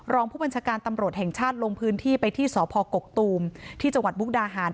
รองผู้บัญชาการตำรวจแห่งชาติลงพื้นที่ไปที่สพกกตูมที่จังหวัดมุกดาหาร